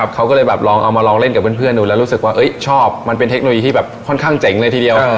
เขาก็เลยแบบลองเอามาลองเล่นกับเพื่อนดูแล้วรู้สึกว่าชอบมันเป็นเทคโนโลยีที่แบบค่อนข้างเจ๋งเลยทีเดียว